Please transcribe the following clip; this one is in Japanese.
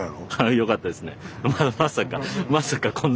よかったですね。